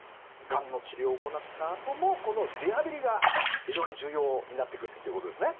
がんの治療を行ったあともこのリハビリが非常に重要になってくるっていうことですね。